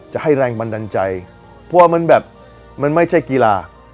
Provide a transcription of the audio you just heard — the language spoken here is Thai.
จะให้แรงบันดาลใจเพราะว่ามันแบบมันไม่ใช่กีฬา